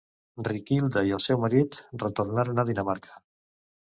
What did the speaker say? Riquilda i el seu marit retornaren a Dinamarca.